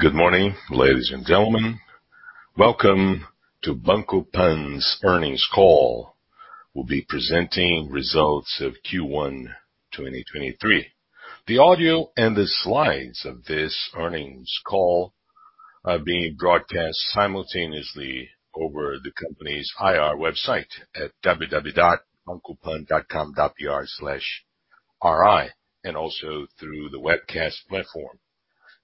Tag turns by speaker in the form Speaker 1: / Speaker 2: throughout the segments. Speaker 1: Good morning, ladies and gentlemen. Welcome to Banco Pan's earnings call. We'll be presenting results of Q1, 2023. The audio and the slides of this earnings call are being broadcast simultaneously over the company's IR website at www.bancopan.com.br/ri and also through the webcast platform.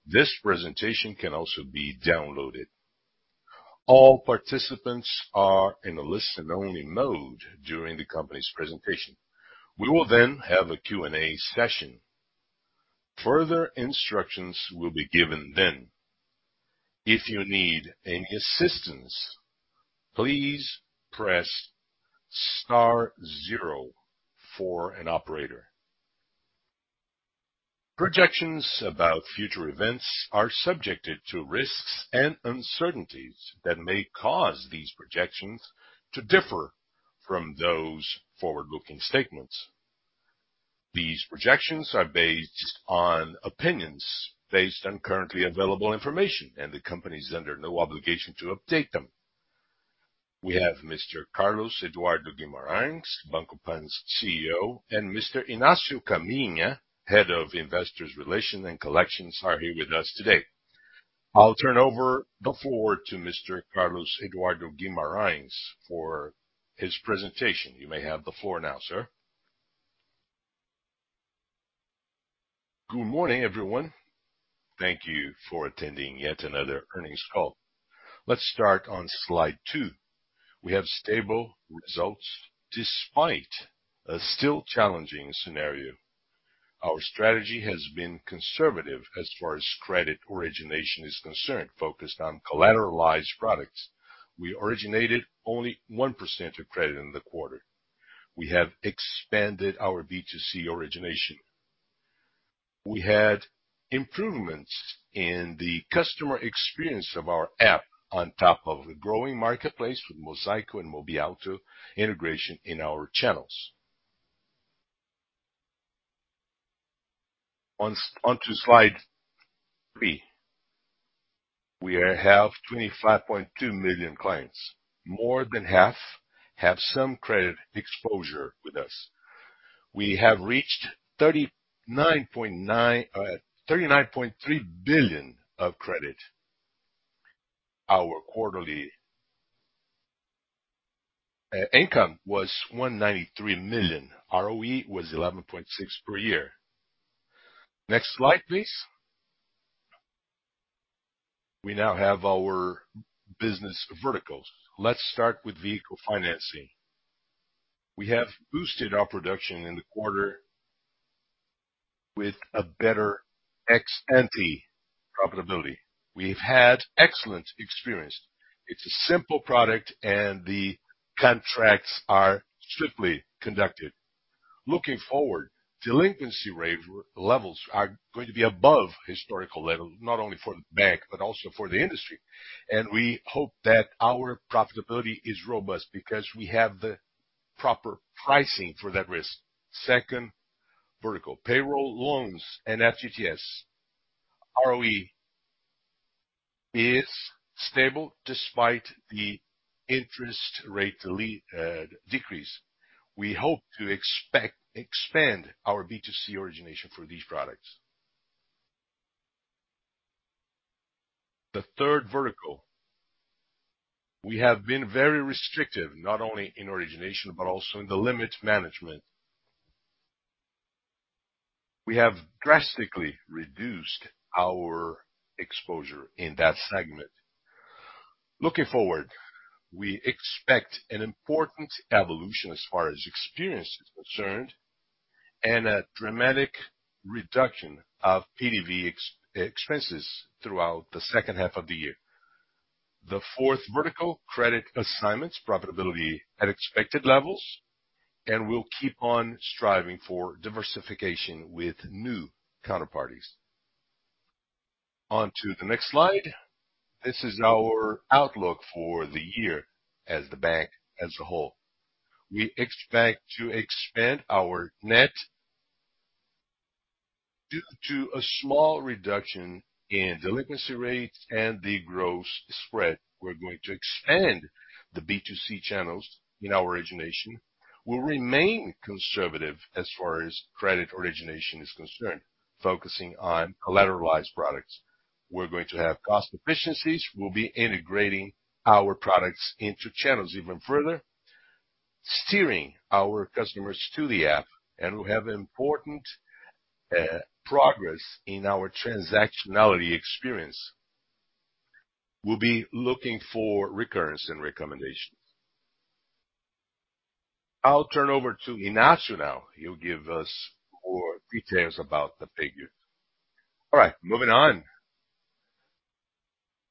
Speaker 1: This presentation can also be downloaded. All participants are in a listen only mode during the company's presentation. We will then have a Q&A session. Further instructions will be given then. If you need any assistance, please press star zero for an operator. Projections about future events are subjected to risks and uncertainties that may cause these projections to differ from those forward-looking statements. These projections are based on opinions based on currently available information, and the company is under no obligation to update them. We have Mr. Carlos Eduardo Guimarães, Banco Pan's CEO, and Mr. Inácio Caminha, Head of Investor Relations and Collections, are here with us today. I'll turn over the floor to Mr. Carlos Eduardo Guimarães for his presentation. You may have the floor now, sir.
Speaker 2: Good morning, everyone. Thank you for attending yet another earnings call. Let's start on slide two. We have stable results despite a still challenging scenario. Our strategy has been conservative as far as credit origination is concerned, focused on collateralized products. We originated only 1% of credit in the quarter. We have expanded our B2C origination. We had improvements in the customer experience of our app on top of a growing marketplace with Mosaico and Mobiauto integration in our channels. Onto slide three. We have 25.2 million clients. More than half have some credit exposure with us. We have reached 39.3 billion of credit. Our quarterly income was 193 million. ROE was 11.6% per year. Next slide, please. We now have our business verticals. Let's start with vehicle financing. We have boosted our production in the quarter with a better ex ante profitability. We've had excellent experience. It's a simple product and the contracts are strictly conducted. Looking forward, delinquency rate levels are going to be above historical levels, not only for the bank but also for the industry. We hope that our profitability is robust because we have the proper pricing for that risk. Second vertical, payroll loans and FGTS. ROE is stable despite the interest rate decrease. We hope to expand our B2C origination for these products. The third vertical, we have been very restrictive, not only in origination but also in the limit management. We have drastically reduced our exposure in that segment. Looking forward, we expect an important evolution as far as experience is concerned and a dramatic reduction of PDD ex-expenses throughout the second half of the year. The fourth vertical, credit assignments, profitability at expected levels, we'll keep on striving for diversification with new counterparties. On to the next slide. This is our outlook for the year as the bank as a whole. We expect to expand our net due to a small reduction in delinquency rates and the gross spread. We're going to expand the B2C channels in our origination. We'll remain conservative as far as credit origination is concerned, focusing on collateralized products. We're going to have cost efficiencies. We'll be integrating our products into channels even further, steering our customers to the app, and we have important progress in our transactionality experience. We'll be looking for recurrence and recommendations. I'll turn over to Inácio now. He'll give us more details about the figures.
Speaker 3: All right, moving on.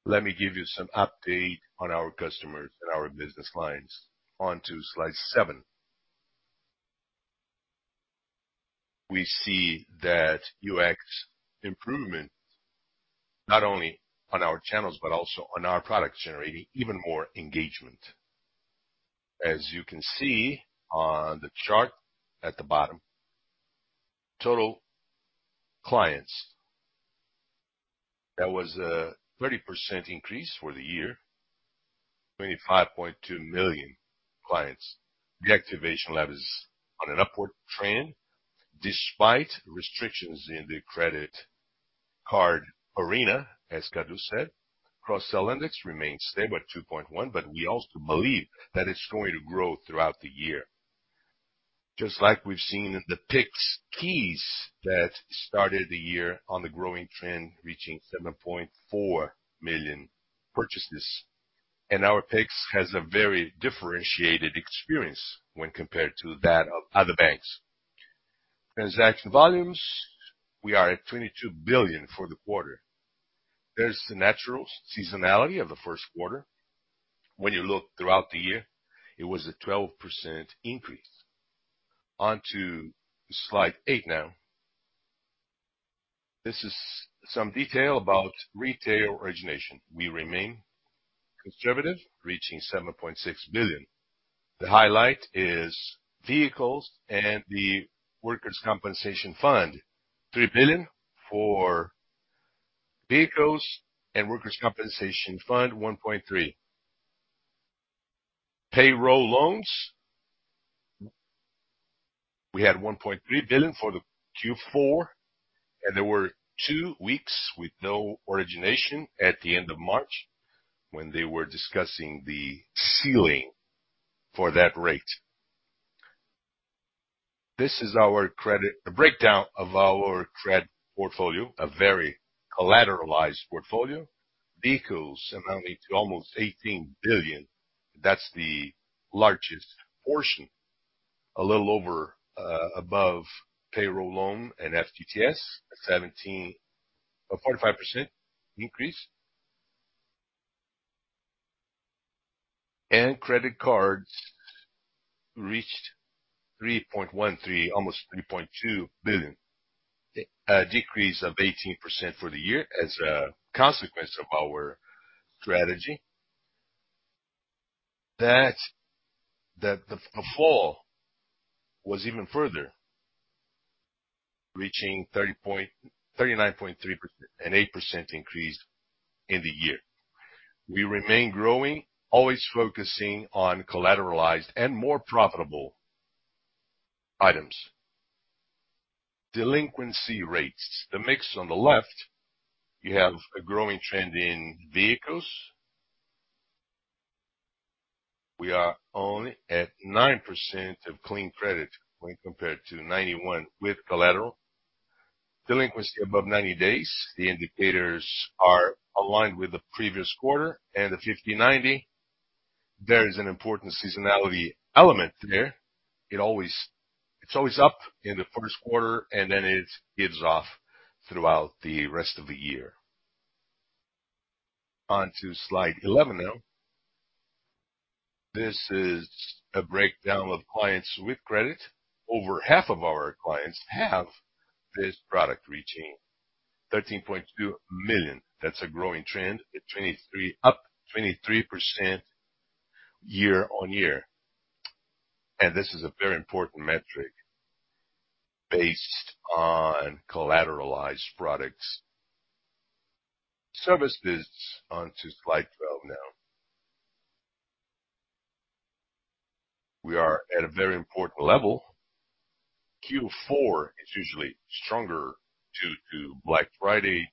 Speaker 3: Let me give you some update on our customers and our business lines. On to slide seven. We see that UX improvement not only on our channels but also on our products, generating even more engagement. As you can see on the chart at the bottom, total clients, that was a 30% increase for the year, 25.2 million clients. The activation lab is on an upward trend despite restrictions in the credit card arena, as Cadu said. Cross-sell index remains stable at two point one, but we also believe that it's going to grow throughout the year. Just like we've seen in the Pix keys that started the year on the growing trend, reaching seven point four million purchases. Our Pix has a very differentiated experience when compared to that of other banks. Transaction volumes, we are at 22 billion for the quarter. There's the natural seasonality of the first quarter. When you look throughout the year, it was a 12% increase. On to slide eight now. This is some detail about retail origination. We remain conservative, reaching 7.6 billion. The highlight is vehicles and the Workers Compensation Fund, 3 billion for vehicles, and Workers Compensation Fund, 1.3 billion. Payroll loans, we had 1.3 billion for the Q4, and there were two weeks with no origination at the end of March when they were discussing the ceiling for that rate. This is our credit portfolio, a very collateralized portfolio. Vehicles amounting to almost 18 billion. That's the largest portion. A little over payroll loan and FGTS, a 45% increase. Credit cards reached 3.13, almost 3.2 billion. A decrease of 18% for the year as a consequence of our strategy. The fall was even further, reaching 39.3%, an 8% increase in the year. We remain growing, always focusing on collateralized and more profitable items. Delinquency rates. The mix on the left, you have a growing trend in vehicles. We are only at 9% of clean credit when compared to 91 with collateral. Delinquency above 90 days, the indicators are aligned with the previous quarter. The 50/90, there is an important seasonality element there. It's always up in the first quarter, and then it gives off throughout the rest of the year. On to slide 11 now. This is a breakdown of clients with credit. Over half of our clients have this product reaching 13.2 million. That's a growing trend up 23% year-on-year. This is a very important metric based on collateralized products. Services, onto slide 12 now. We are at a very important level. Q4 is usually stronger due to Black Friday,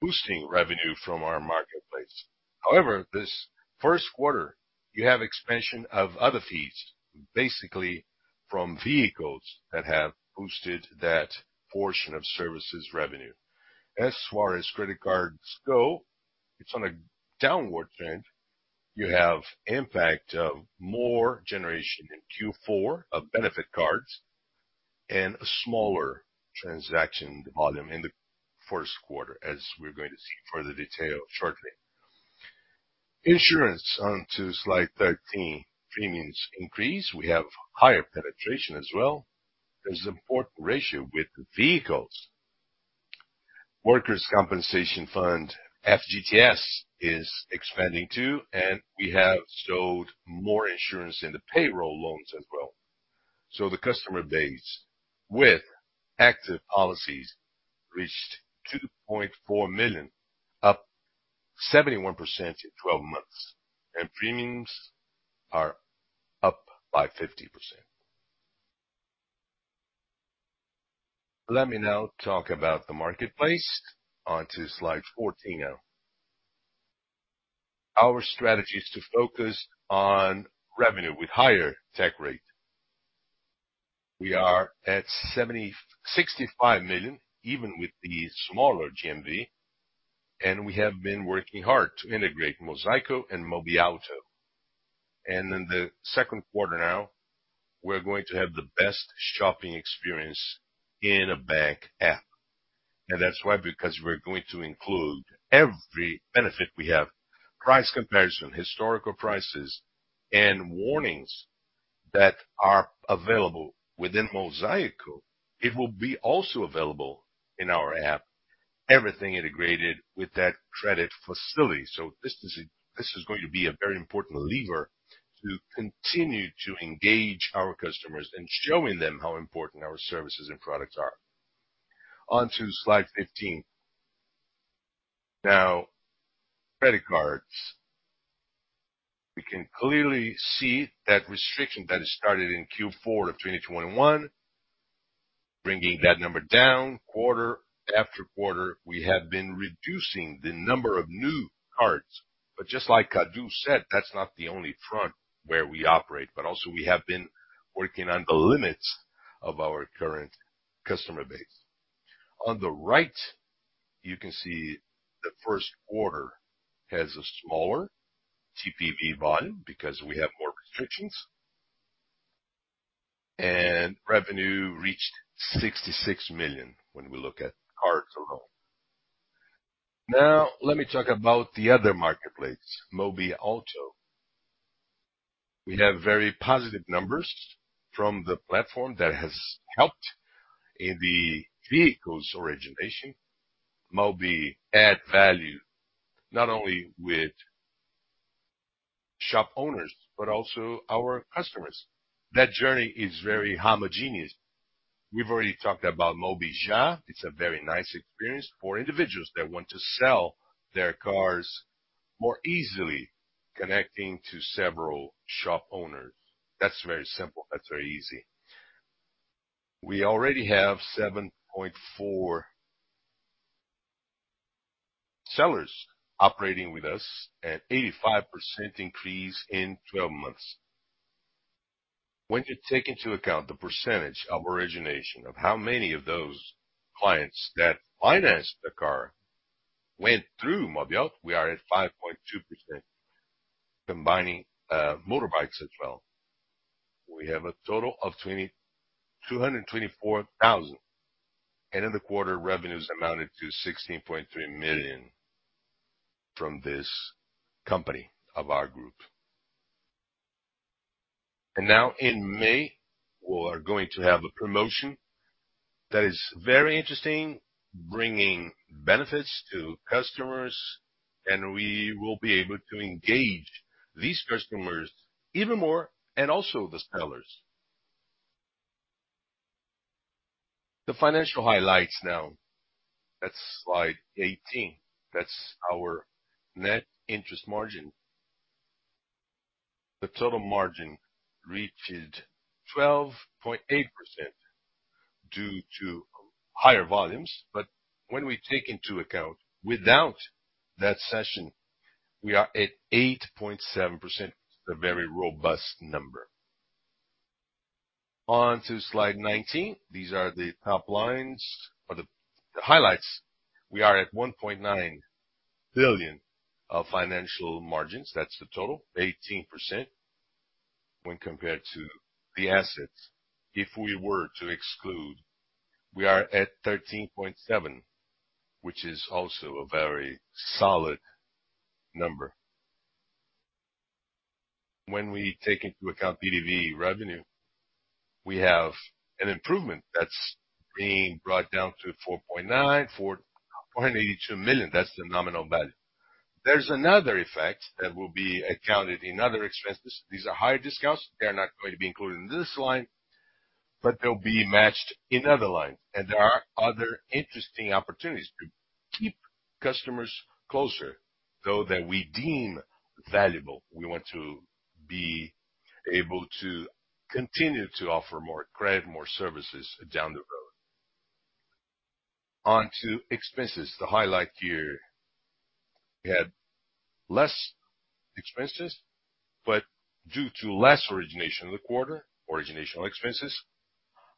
Speaker 3: boosting revenue from our marketplace. However, this 1st quarter, you have expansion of other fees, basically from vehicles that have boosted that portion of services revenue. As far as credit cards go, it's on a downward trend. You have impact of more generation in Q4 of benefit cards and a smaller transaction volume in the 1st quarter, as we're going to see further detail shortly. Insurance, onto slide 13. Premiums increase. We have higher penetration as well. There's an important ratio with vehicles. Workers Compensation Fund, FGTS, is expanding too. We have sold more insurance in the payroll loans as well. The customer base with active policies reached two point four million, up 71% in 12 months. Premiums are up by 50%. Let me now talk about the marketplace. On to slide 14 now. Our strategy is to focus on revenue with higher take rate. We are at 65 million, even with the smaller GMV. We have been working hard to integrate Mosaico and Mobiauto. In the second quarter now, we're going to have the best shopping experience in a bank app. That's why, because we're going to include every benefit we have, price comparison, historical prices, and warnings that are available within Mosaico. It will be also available in our app, everything integrated with that credit facility. This is going to be a very important lever to continue to engage our customers and showing them how important our services and products are. On to slide 15. Credit cards. We can clearly see that restriction that started in Q4 of 2021 bringing that number down quarter after quarter, we have been reducing the number of new cards. Just like Cadu said, that's not the only front where we operate, but also we have been working on the limits of our current customer base. On the right, you can see the first quarter has a smaller TPV volume because we have more restrictions. Revenue reached 66 million when we look at cards alone. Let me talk about the other marketplace, Mobiauto. We have very positive numbers from the platform that has helped in the vehicles origination. Mobi adds value not only with shop owners, but also our customers. That journey is very homogeneous. We've already talked about Mobi Já. It's a very nice experience for individuals that want to sell their cars more easily, connecting to several shop owners. That's very simple. That's very easy. We already have seven point four sellers operating with us at 85% increase in 12 months. When you take into account the percentage of origination of how many of those clients that financed the car went through Mobiauto, we are at 5.2%. Combining motorbikes as well, we have a total of 2,224,000. End of the quarter revenues amounted to 16.3 million from this company of our group. Now in May, we are going to have a promotion that is very interesting, bringing benefits to customers, and we will be able to engage these customers even more and also the sellers. The financial highlights now. That's slide 18. That's our net interest margin. The total margin reached 12.8% due to higher volumes. When we take into account without that session, we are at 8.7%. A very robust number. On to slide 19. These are the top lines or the highlights. We are at 1.9 billion of financial margins. That's the total. 18% when compared to the assets. If we were to exclude, we are at 13.7%, which is also a very solid number. When we take into account PDV revenue, we have an improvement that's being brought down to 4.9, 4.82 million. That's the nominal value. There's another effect that will be accounted in other expenses. These are higher discounts. They're not going to be included in this line, but they'll be matched in other lines. There are other interesting opportunities to keep customers closer, though that we deem valuable. We want to be able to continue to offer more credit, more services down the road. On to expenses, the highlight here. We had less expenses, but due to less origination in the quarter, origination expenses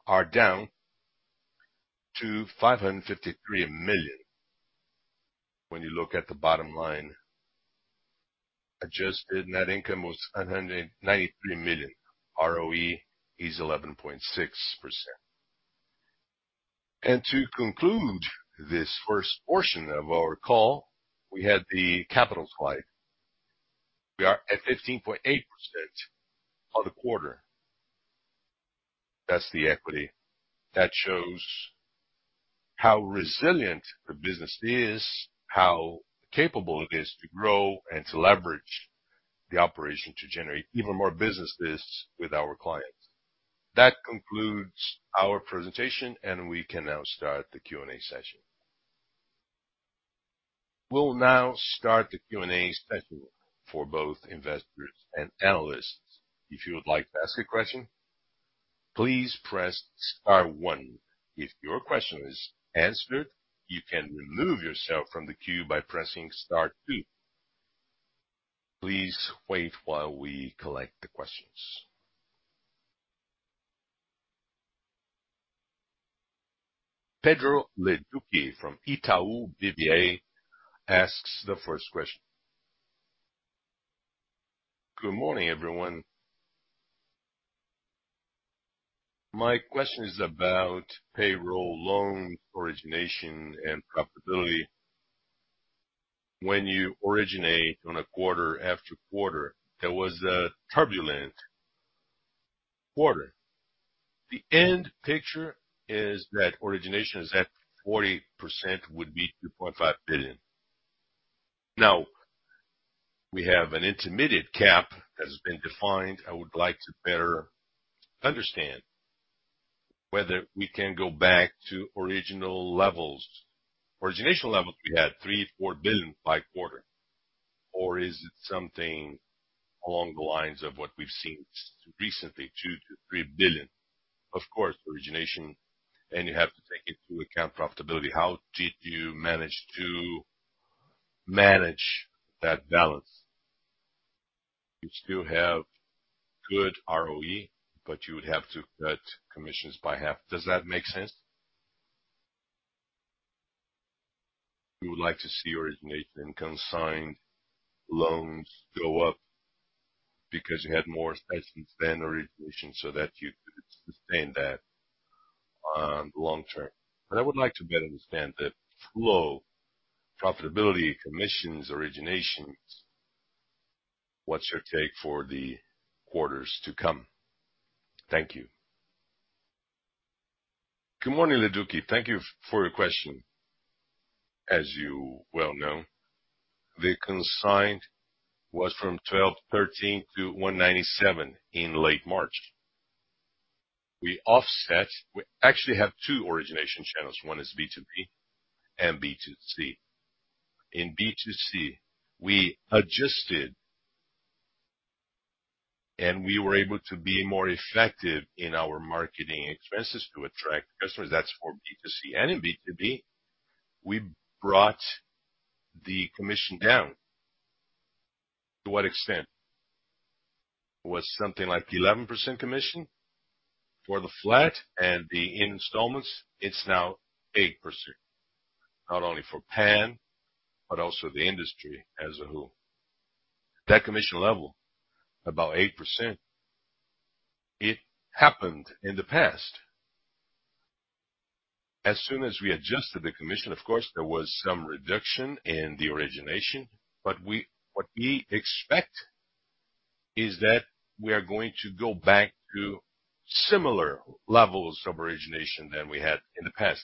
Speaker 3: are down to 553 million. When you look at the bottom line, adjusted net income was 193 million. ROE is 11.6%. To conclude this first portion of our call, we had the capital slide. We are at 15.8% on the quarter. That's the equity. That shows how resilient the business is, how capable it is to grow and to leverage the operation to generate even more businesses with our clients. That concludes our presentation, and we can now start the Q&A session.
Speaker 1: We'll now start the Q&A session for both investors and analysts. If you would like to ask a question, please press star one. If your question is answered, you can remove yourself from the queue by pressing star two. Please wait while we collect the questions. Pedro Leduc from Itaú BBA asks the first question.
Speaker 4: Good morning, everyone. My question is about payroll loan origination and profitability. When you originate on a quarter after quarter, that was a turbulent quarter. The end picture is that origination is at 40% would be 2.5 billion. We have an intermediate cap that has been defined. I would like to better understand whether we can go back to original levels. Origination levels, we had 3 billion-4 billion by quarter. Is it something along the lines of what we've seen recently, 2 billion-3 billion? Of course, origination, you have to take into account profitability. How did you manage to manage that balance? You still have good ROE, but you would have to cut commissions by half. Does that make sense? We would like to see origination consigned loans go up because you had more expenses than origination so that you could sustain that on long term. I would like to better understand the flow, profitability, commissions, originations. What's your take for the quarters to come? Thank you.
Speaker 3: Good morning, Leduc. Thank you for your question. As you well know, the consigned was from 1,213 to 197 in late March. We actually have two origination channels. One is B2B and B2C. In B2C, we adjusted, and we were able to be more effective in our marketing expenses to attract customers. That's for B2C. In B2B, we brought the commission down. To what extent? Was something like 11% commission for the flat and the installments, it's now 8%, not only for Pan, but also the industry as a whole. That commission level, about 8%, it happened in the past. As soon as we adjusted the commission, of course, there was some reduction in the origination. What we expect is that we are going to go back to similar levels of origination than we had in the past,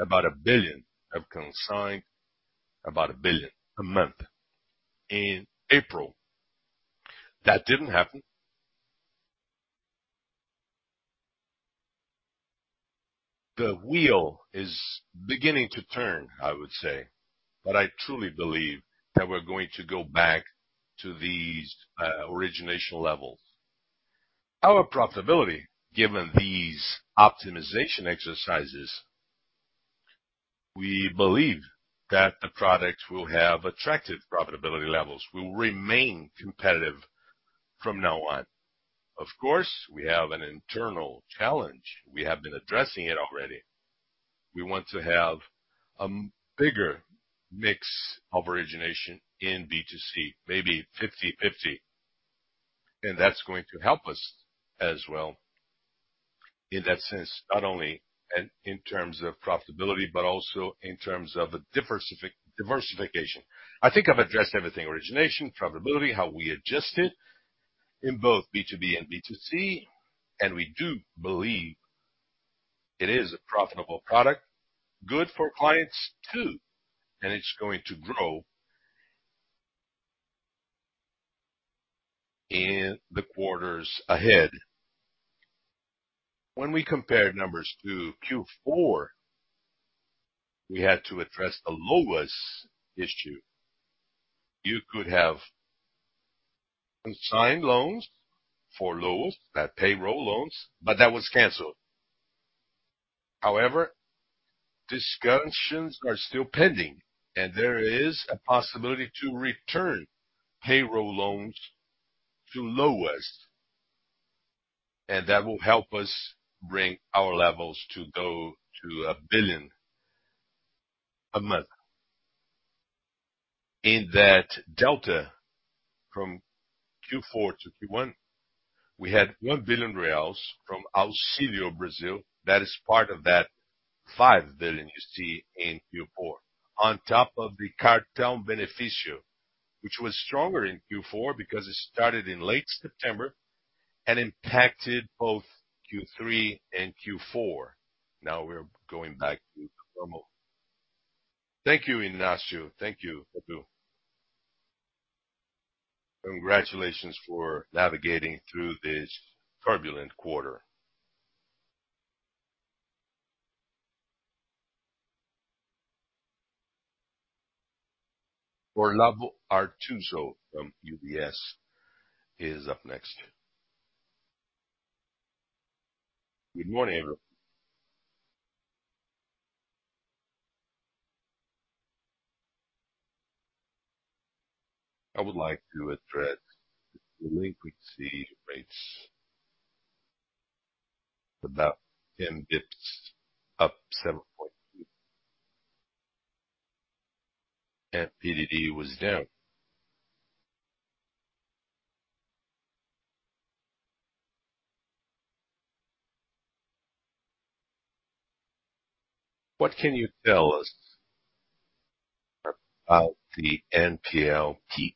Speaker 3: about 1 billion of consigned, about 1 billion a month in April. That didn't happen. The wheel is beginning to turn, I would say, but I truly believe that we're going to go back to these origination levels. Our profitability, given these optimization exercises, we believe that the products will have attractive profitability levels, will remain competitive from now on. Of course, we have an internal challenge. We have been addressing it already. We want to have a bigger mix of origination in B2C, maybe 50/50. That's going to help us as well in that sense, not only in terms of profitability, but also in terms of the diversification. I think I've addressed everything, origination, profitability, how we adjust it in both B2B and B2C. We do believe it is a profitable product, good for clients too. It's going to grow in the quarters ahead. When we compare numbers to Q4, we had to address the LOAS issue. You could have unsigned loans for LOAS, that payroll loans. That was canceled. However, discussions are still pending. There is a possibility to return payroll loans to LOAS. That will help us bring our levels to go to 1 billion a month. In that delta from Q4 to Q1, we had 1 billion reais from Auxílio Brasil. That is part of that 5 billion you see in Q4. On top of the Cartão Benefício, which was stronger in Q4 because it started in late September and impacted both Q3 and Q4.
Speaker 4: Now we're going back to normal. Thank you, Inácio.
Speaker 1: Thank you. Congratulations for navigating through this turbulent quarter. Olavo Arthuzo from UBS is up next. Good morning. I would like to address the delinquency rates, about 10 basis points up 7.2%. PDD was down. What can you tell us about the NPL peak?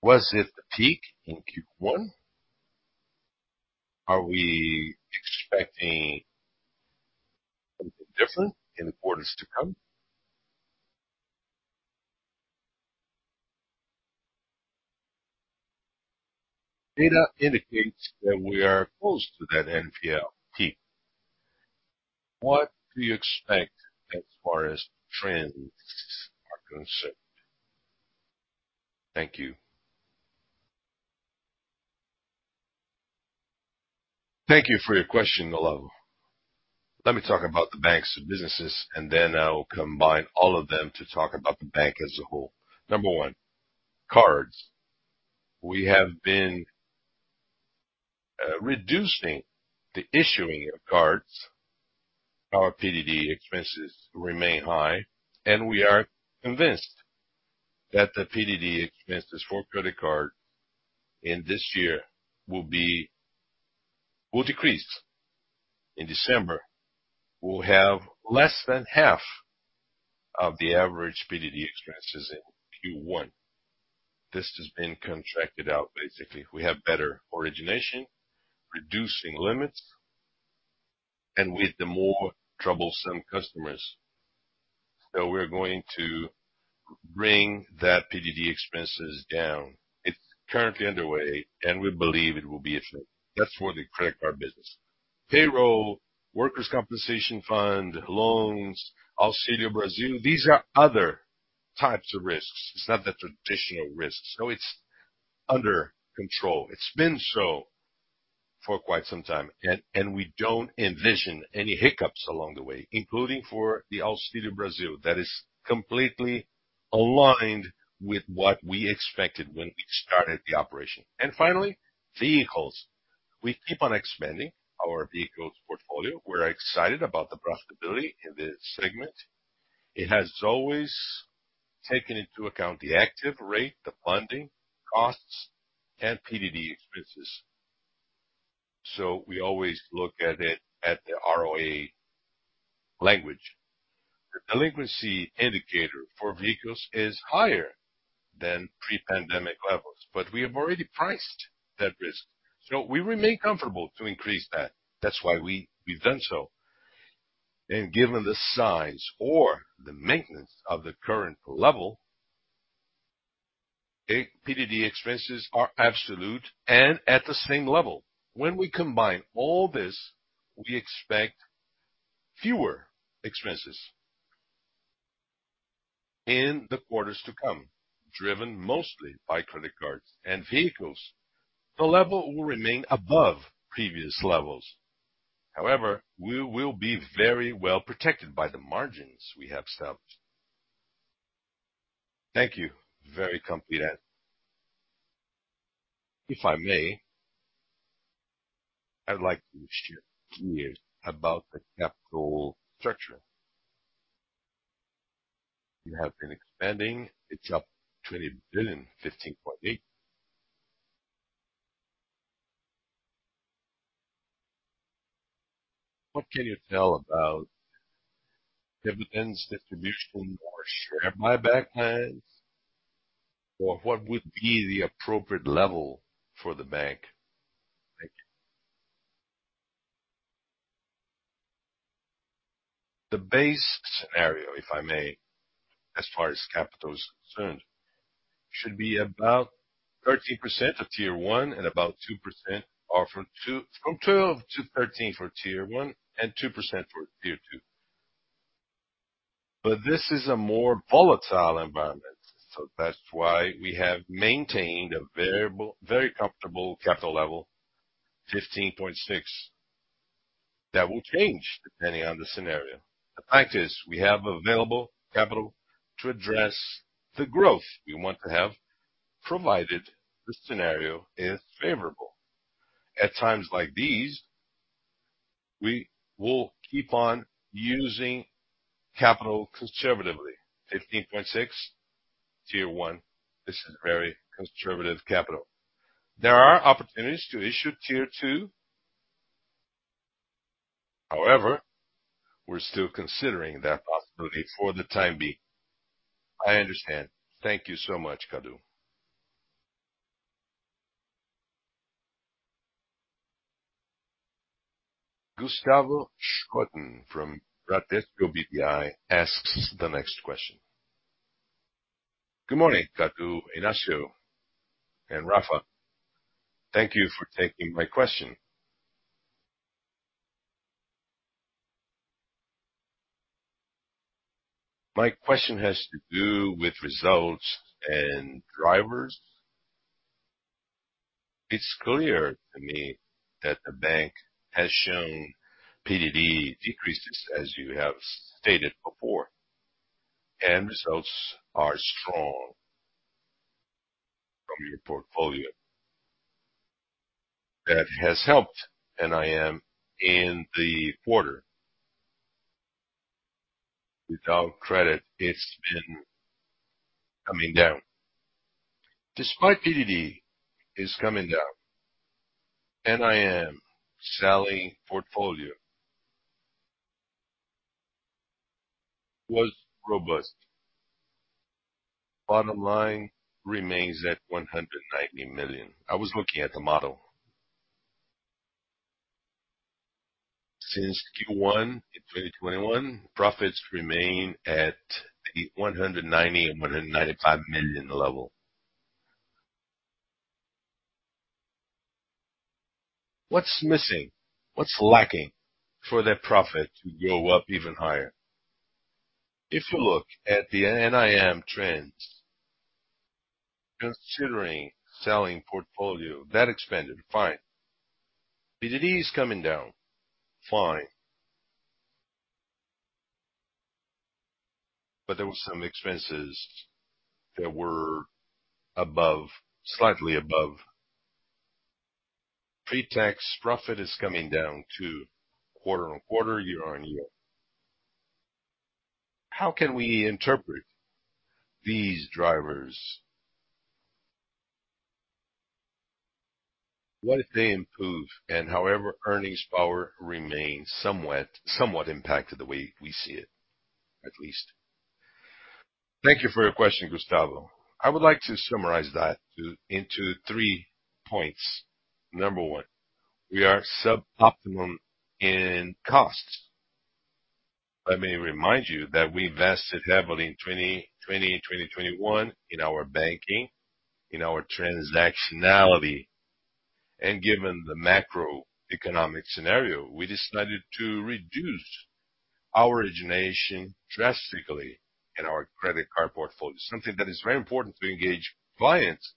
Speaker 1: Was it the peak in Q1? Are we expecting something different in the quarters to come? Data indicates that we are close to that NPL peak. What do you expect as far as trends are concerned? Thank you.
Speaker 2: Thank you for your question, Olavo. Let me talk about the bank's businesses, and then I will combine all of them to talk about the bank as a whole. Number one, cards. We have been reducing the issuing of cards. Our PDD expenses remain high. We are convinced that the PDD expenses for credit card in this year will decrease. In December, we'll have less than half of the average PDD expenses in Q1. This has been contracted out, basically. We have better origination, reducing limits, and with the more troublesome customers. We're going to bring that PDD expenses down. It's currently underway. We believe it will be effective. That's for the credit card business. Payroll, workers' compensation fund, loans, Auxílio Brasil, these are other types of risks. It's not the traditional risks. It's under control. It's been so for quite some time. We don't envision any hiccups along the way, including for the Auxílio Brasil. That is completely aligned with what we expected when we started the operation. Finally, vehicles. We keep on expanding our vehicles portfolio. We're excited about the profitability in this segment. It has always taken into account the active rate, the funding costs, and PDD expenses. We always look at it at the ROA language. The delinquency indicator for vehicles is higher than pre-pandemic levels. We have already priced that risk. We remain comfortable to increase that. That's why we've done so. Given the size or the maintenance of the current level, PDD expenses are absolute and at the same level. When we combine all this, we expect fewer expenses in the quarters to come, driven mostly by credit cards and vehicles. The level will remain above previous levels. However, we will be very well protected by the margins we have established.
Speaker 5: Thank you. Very complete answer. If I may, I'd like to share two years about the capital structure. You have been expanding. It's up 20 billion, 15.8%. What can you tell about dividends distribution or share buyback plans? What would be the appropriate level for the bank? Thank you.
Speaker 2: The base scenario, if I may, as far as capital is concerned, should be about 13% of Tier one and from 12-13% for Tier two and 2% for Tier two. This is a more volatile environment, so that's why we have maintained a variable, very comfortable capital level, 15.6%. That will change depending on the scenario. The fact is, we have available capital to address the growth we want to have, provided the scenario is favorable. At times like these, we will keep on using capital conservatively. 15.6%, Tier one, this is very conservative capital. There are opportunities to issue Tier two. We're still considering that possibility for the time being.
Speaker 5: I understand. Thank you so much, Cadu.
Speaker 2: Gustavo Schotten from Bradesco BBI asks the next question.
Speaker 6: Good morning, Cadu, Inácio, and Rafa. Thank you for taking my question. My question has to do with results and drivers. It's clear to me that the bank has shown PDD decreases, as you have stated before. Results are strong from your portfolio. That has helped NIM in the quarter. Without credit, it's been coming down. Despite PDD is coming down, NIM selling portfolio was robust. Bottom line remains at 190 million. I was looking at the model. Since Q1 in 2021, profits remain at the 190 million-195 million level. What's missing? What's lacking for that profit to go up even higher? If you look at the NIM trends, considering selling portfolio, that expanded, fine. PDD is coming down, fine. There were some expenses that were above, slightly above. Pre-tax profit is coming down too, quarter-over-quarter, year-over-year. How can we interpret these drivers? What if they improve and however earnings power remains somewhat impacted the way we see it, at least?
Speaker 3: Thank you for your question, Gustavo. I would like to summarize that into three points. Number one, we are sub-optimum in costs. Let me remind you that we invested heavily in 2020, 2021 in our banking, in our transactionality. Given the macroeconomic scenario, we decided to reduce our origination drastically in our credit card portfolio. Something that is very important to engage clients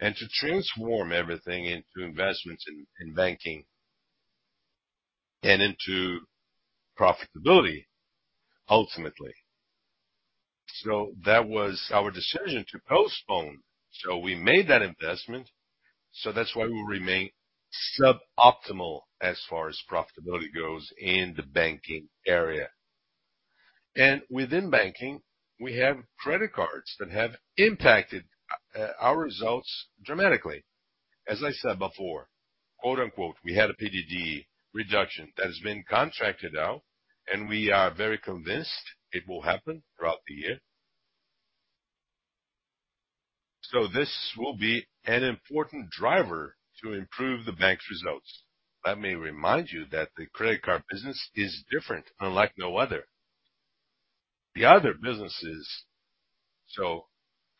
Speaker 3: and to transform everything into investments in banking and into profitability, ultimately. That was our decision to postpone. We made that investment, so that's why we remain sub-optimal as far as profitability goes in the banking area. Within banking, we have credit cards that have impacted our results dramatically. As I said before, quote-unquote, we had a PDD reduction that has been contracted out, and we are very convinced it will happen throughout the year. This will be an important driver to improve the bank's results. Let me remind you that the credit card business is different, unlike no other. The other businesses,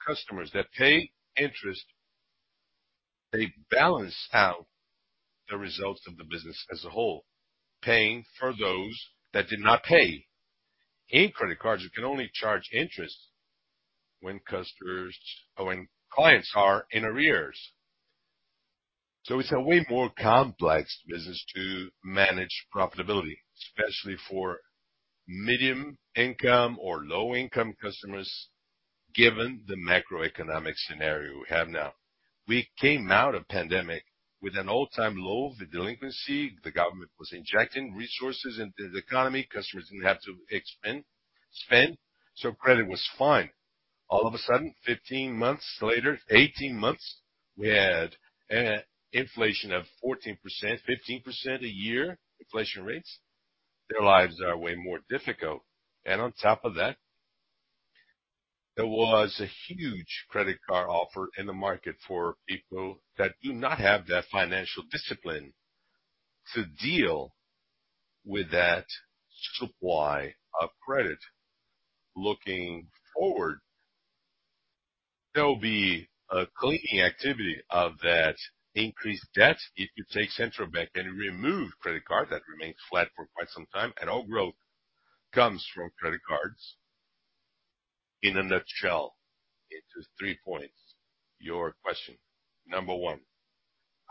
Speaker 3: customers that pay interest, they balance out the results of the business as a whole, paying for those that did not pay. In credit cards, you can only charge interest when customers or when clients are in arrears. It's a way more complex business to manage profitability, especially for medium income or low income customers, given the macroeconomic scenario we have now. We came out of pandemic with an all-time low of the delinquency. The government was injecting resources into the economy. Customers didn't have to spend, so credit was fine. All of a sudden, 15 months later, 18 months, we had inflation of 14%, 15% a year inflation rates. Their lives are way more difficult. On top of that, there was a huge credit card offer in the market for people that do not have that financial discipline to deal with that supply of credit. Looking forward, there will be a cleaning activity of that increased debt. If you take Central Bank and remove credit cards, that remains flat for quite some time, and all growth comes from credit cards. In a nutshell, into 3 points, your question. Number one,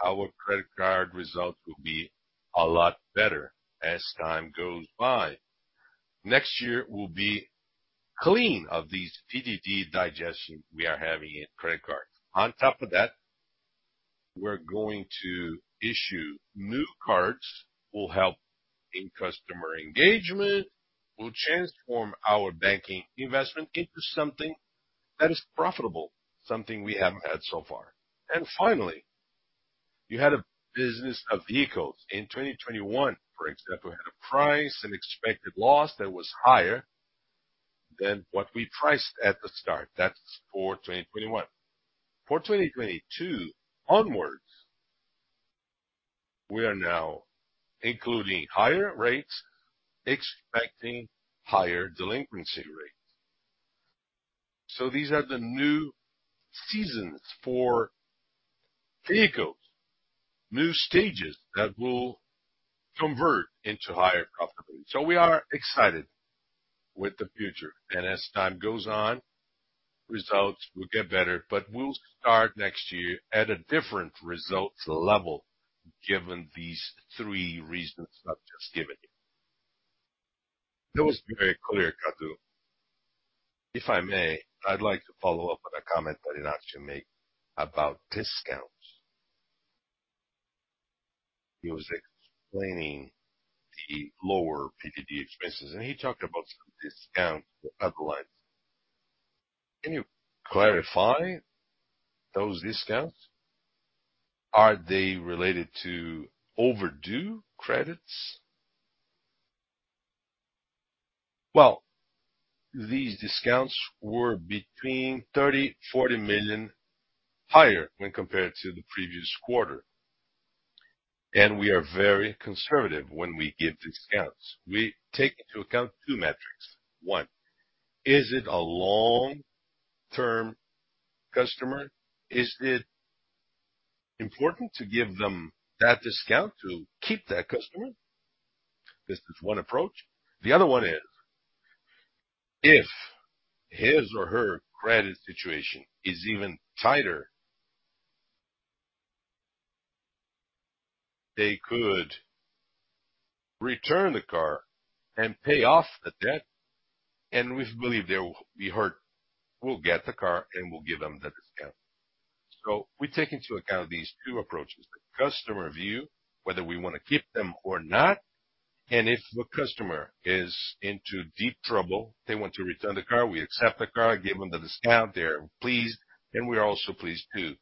Speaker 3: our credit card results will be a lot better as time goes by. Next year will be clean of these PDD digestion we are having in credit cards. On top of that, we're going to issue new cards, will help in customer engagement. We'll transform our banking investment into something that is profitable, something we haven't had so far. Finally, you had a business of vehicles. In 2021, for example, we had a price, an expected loss that was higher than what we priced at the start. That's for 2021. For 2022 onwards, we are now including higher rates, expecting higher delinquency rates. These are the new seasons for vehicles, new stages that will convert into higher profitability. We are excited with the future. As time goes on, results will get better, but we'll start next year at a different results level, given these three reasons I've just given you.
Speaker 6: That was very clear, Cadu. If I may, I'd like to follow up on a comment that you made about discounts. He was explaining the lower PDD expenses, he talked about some discounts for other lines. Can you clarify those discounts? Are they related to overdue credits? Well, these discounts were between 30 million-40 million higher when compared to the previous quarter. We are very conservative when we give discounts. We take into account two metrics. One, is it a long-term customer? Is it important to give them that discount to keep that customer?
Speaker 2: This is one approach. The other one is, if his or her credit situation is even tighter, they could return the car and pay off the debt, and we believe they will be hurt. We'll get the car, and we'll give them that discount. We take into account these two approaches, the customer view, whether we wanna keep them or not, and if the customer is into deep trouble, they want to return the car, we accept the car, give them the discount, they're pleased, and we are also pleased too.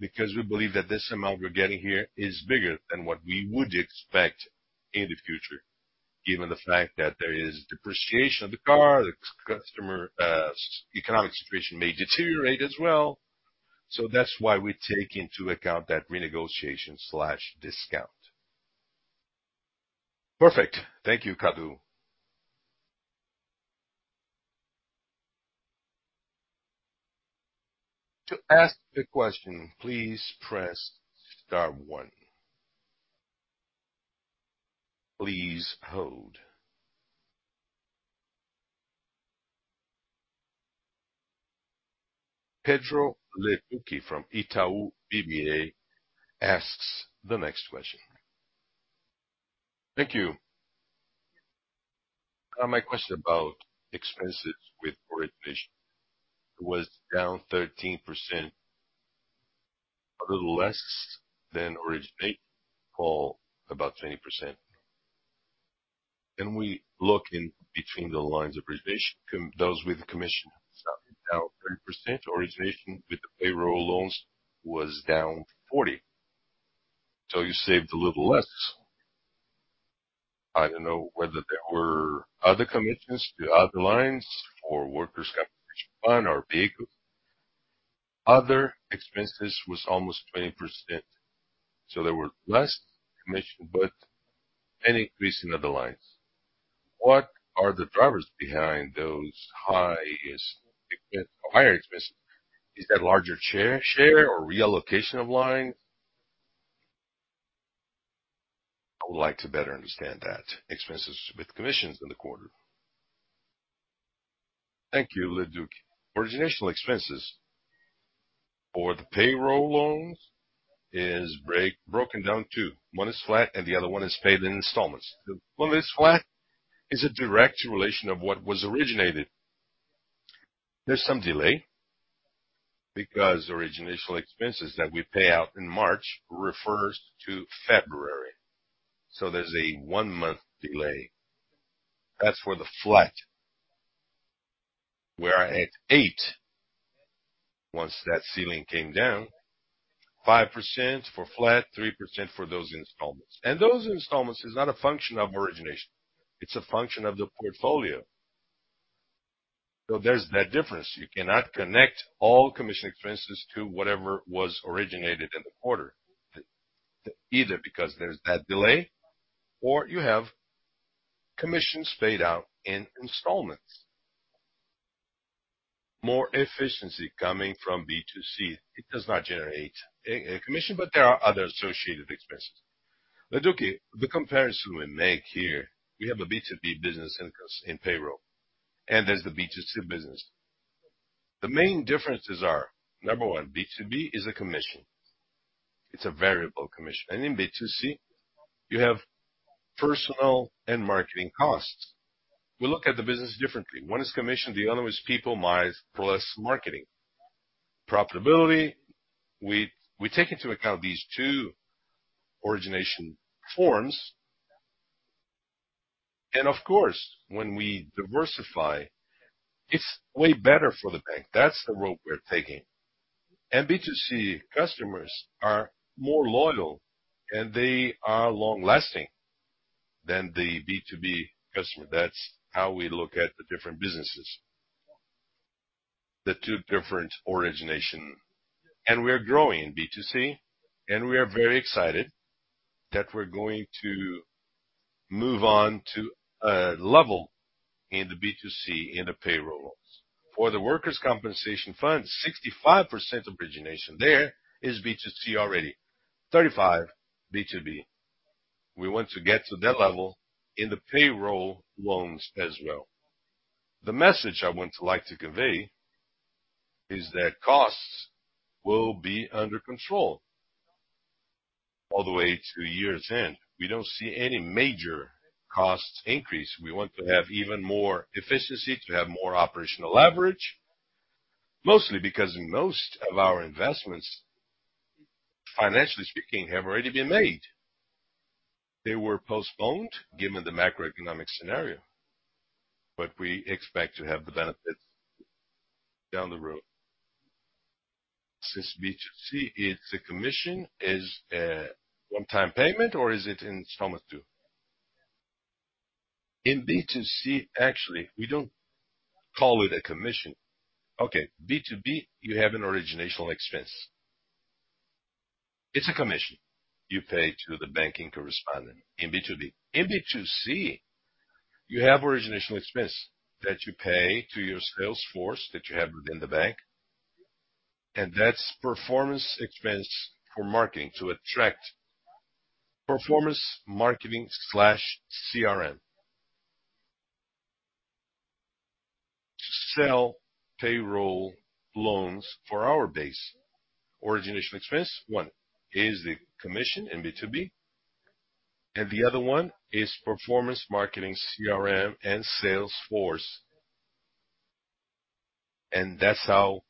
Speaker 2: Because we believe that this amount we're getting here is bigger than what we would expect in the future, given the fact that there is depreciation of the car, the customer, economic situation may deteriorate as well. That's why we take into account that renegotiation/discount.
Speaker 6: Perfect. Thank you, Cadu.
Speaker 1: To ask a question, please press star one. Please hold. Pedro Leduc from Itaú BBA asks the next question.
Speaker 4: Thank you. My question about expenses with origination. It was down 13%, a little less than originate call about 20%. Can we look in between the lines of origination those with commission down 30%, origination with the payroll loans was down 40%. You saved a little less. I don't know whether there were other commissions to other lines for workers' compensation fund or vehicles. Other expenses was almost 20%, so there were less commission, but an increase in other lines. What are the drivers behind those high or higher expenses? Is that larger share or reallocation of lines? I would like to better understand that, expenses with commissions in the quarter.
Speaker 2: Thank you, Leduc. Origination expenses for the payroll loans is broken down too. One is flat and the other one is paid in installments. The one that's flat is a direct relation of what was originated. There's some delay because origination expenses that we pay out in March refers to February. There's a one-month delay. That's for the flat, where I hit eight once that ceiling came down, 5% for flat, 3% for those installments. Those installments is not a function of origination. It's a function of the portfolio. There's that difference. You cannot connect all commission expenses to whatever was originated in the quarter, either because there's that delay or you have commissions paid out in installments. More efficiency coming from B2C. It does not generate a commission, but there are other associated expenses. Leduc, the comparison we make here, we have a B2B business in payroll, and there's the B2C business. The main differences are, number one, B2B is a commission. It's a variable commission. In B2C, you have personal and marketing costs. We look at the business differently. One is commission, the other one is people miles plus marketing. Profitability, we take into account these two origination forms. Of course, when we diversify, it's way better for the bank. That's the route we're taking. B2C customers are more loyal, and they are long-lasting than the B2B customer. That's how we look at the different businesses. The two different origination. We are growing in B2C, and we are very excited that we're going to move on to a level in the B2C in the payroll loans. For the workers' compensation fund, 65% of origination there is B2C already, 35% B2B. We want to get to that level in the payroll loans as well. The message I want to like to convey is that costs will be under control all the way to year's end. We don't see any major costs increase. We want to have even more efficiency, to have more operational leverage. Mostly because most of our investments, financially speaking, have already been made. They were postponed given the macroeconomic scenario, but we expect to have the benefits down the road. Since B2C is a commission, is a one-time payment or is it in installment too? In B2C, actually, we don't call it a commission. Okay, B2B, you have an original expense. It's a commission you pay to the banking correspondent in B2B. In B2C, you have original expense that you pay to your sales force that you have within the bank, and that's performance expense for marketing to attract performance marketing/CRM. To sell payroll loans for our base origination expense, one, is the commission in B2B, and the other one is performance marketing, CRM, and sales force. That's how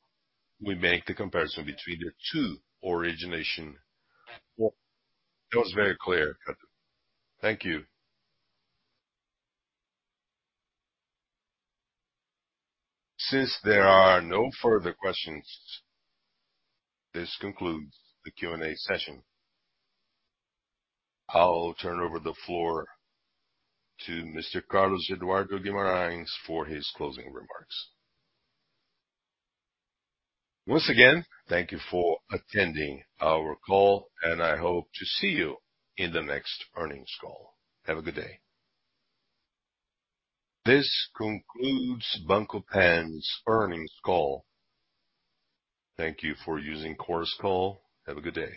Speaker 2: we make the comparison between the two origination.
Speaker 4: It was very clear. Thank you.
Speaker 1: Since there are no further questions, this concludes the Q&A session. I'll turn over the floor to Mr. Carlos Eduardo Guimarães for his closing remarks.
Speaker 2: Once again, thank you for attending our call, and I hope to see you in the next earnings call. Have a good day.
Speaker 1: This concludes Banco Pan's earnings call. Thank you for using Chorus Call. Have a good day.